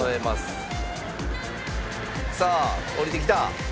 さあ下りてきた！